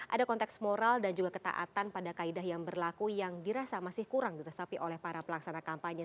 ada konteks moral dan juga ketaatan pada kaedah yang berlaku yang dirasa masih kurang diresapi oleh para pelaksana kampanye